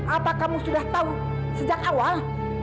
apa kamu sudah tahu sejak awal